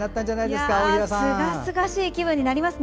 すがすがしい気分になりますね。